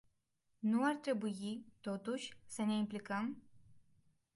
Nu ar trebui, totuși, să ne implicăm?